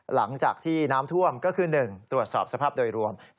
หลังจากที่น้ำท่วมก็คือ๑ตรวจสอบสภาพโดยรวม